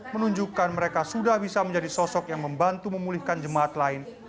menunjukkan mereka sudah bisa menjadi sosok yang membantu memulihkan jemaat lain